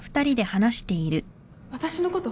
私のこと